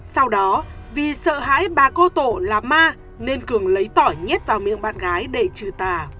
sau đó vì sợ hãi bà cô tổ là ma nên cường lấy tỏi nhét vào miệng bạn gái để trừ tà